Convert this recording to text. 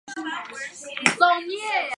在全世界各地都有举办。